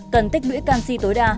cần tích lưỡi canxi tối đa